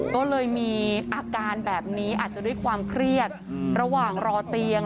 ก็เลยมีอาการแบบนี้อาจจะด้วยความเครียดระหว่างรอเตียง